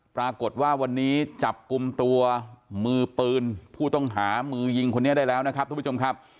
ปรากฏว่าวันนี้จับกลุ่มตัวมือปืนผู้ต้องหามือยิงคนนี้ได้แล้วนะครับทุกผู้ชมครับ